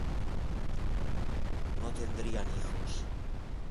No tendrían hijos.